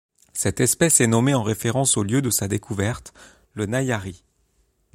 Cette espèce est nommée en référence au lieu de sa découverte, le Nayarit.